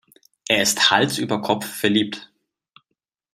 Er ist Hals über Kopf verliebt.